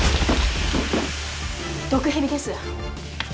毒蛇です。